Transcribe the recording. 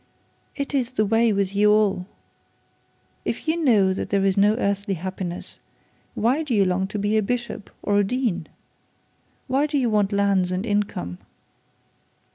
It is the way with you all. If you know that there is no earthly happiness, why do you long to be a bishop or a dean? Why do you want lands and income?'